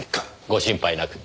ご心配なく。